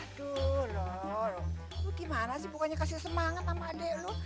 aduh lho lu gimana sih bukannya kasih semangat sama adek lu